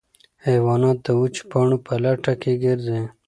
حیوانات د وچو پاڼو په لټه کې ګرځي.